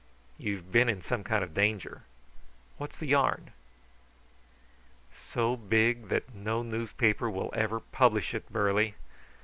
You've been in some kind of danger. What's the yarn?" "So big that no newspaper will ever publish it, Burly.